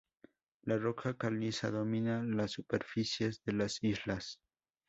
La roca caliza domina las superficies de las islas.